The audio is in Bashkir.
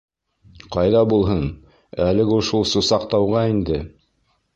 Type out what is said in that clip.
— Ҡайҙа булһын, әлеге шул Сусаҡтауға инде.